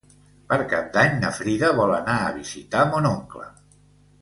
Per Cap d'Any na Frida vol anar a visitar mon oncle.